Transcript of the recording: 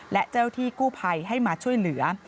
และเจ้าที่กู้ภัยให้มาช่วยเหลือ